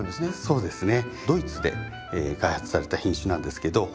そうですね。